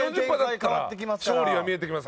勝利が見えてきます。